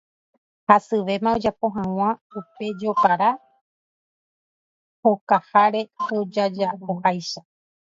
hasyvéma ojapo hag̃ua upe jopara okaháre ojajapoháicha